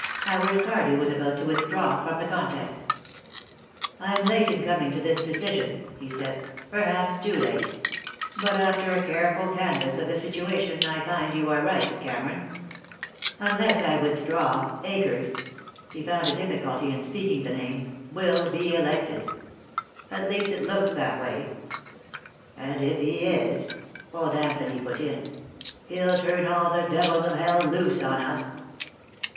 Howard Cardew was about to withdraw from the contest. "I'm late in coming to this decision," he said. "Perhaps too late. But after a careful canvas of the situation, I find you are right, Cameron. Unless I withdraw, Akers" he found a difficulty in speaking the name "will be elected. At least it looks that way." "And if he is," old Anthony put in, "he'll turn all the devils of hell loose on us."